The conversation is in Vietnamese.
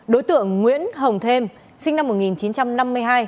đối tượng nguyễn hồng thêm sinh năm một nghìn chín trăm năm mươi hai